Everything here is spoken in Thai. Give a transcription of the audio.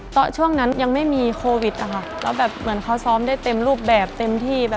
ตอนช่วงนั้นยังไม่มีโควิดแล้วเขาซ้อมได้เต็มรูปแบบเต็มที่